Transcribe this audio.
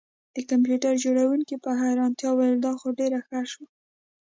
د کمپیوټر جوړونکي په حیرانتیا وویل دا خو ډیر ښه شو